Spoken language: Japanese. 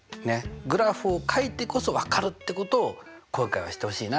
グラフをかいてこそ分かるってことを今回は知ってほしいな。